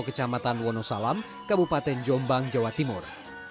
kecamatan wonosalam kabupaten jombang jawa timur